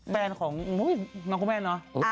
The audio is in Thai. แฟนของน้องเรานนะ